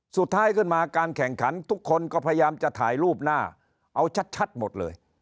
สุดท้ายขึ้นมาการแข่งขันทุกคนก็พยายามจะถ่ายรูปหน้าเอาชัดหมดเลย